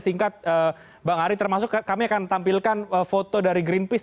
singkat bang ari termasuk kami akan tampilkan foto dari greenpeace